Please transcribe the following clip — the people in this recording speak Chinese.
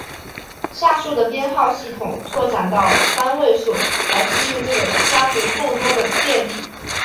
下述的编号系统拓展到三位数来适应这个家族众多的变体。